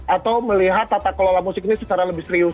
atau melihat tata kelola musik ini secara lebih serius